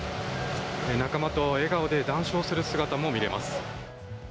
仲間と笑顔で談笑する姿も見えます。